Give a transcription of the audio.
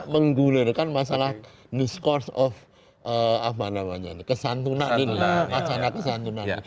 menggulirkan masalah discourse of apa namanya ini kesantunaan ini